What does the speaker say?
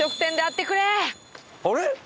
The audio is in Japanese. あれ？